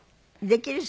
できる？